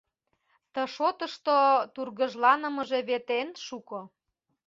Ты шотышто тургыжланымыже вет эн шуко.